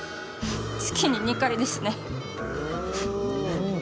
月に２回ですね。